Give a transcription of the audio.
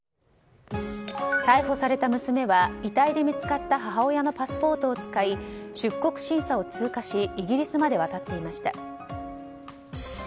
逮捕された娘は遺体で見つかった母親のパスポートを使い出国審査を通過しイギリスまで渡っていました。